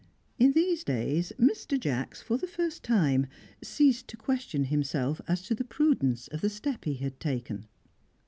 In these days, Mr. Jacks, for the first time, ceased to question himself as to the prudence of the step he had taken.